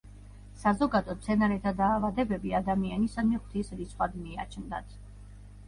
საზოგადოდ, მცენარეთა დაავადებები ადამიანისადმი „ღვთის რისხვად“ მიაჩნდათ.